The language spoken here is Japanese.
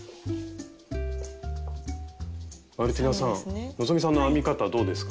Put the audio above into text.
マルティナさん希さんの編み方どうですか？